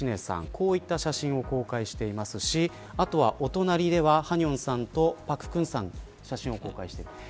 こういった写真を公開していますしお隣ではハニョンさんとパク・クンさん写真を公開しています。